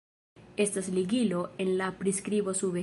Estas ligilo en la priskribo sube